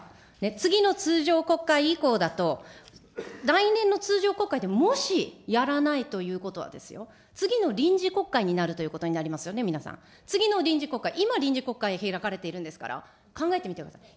次の通常国会以降だと、来年の通常国会でもしやらないということはですよ、次の臨時国会になるということになりますよね、皆さん、次の臨時国会、今、臨時国会開かれているんですから、考えてみてください。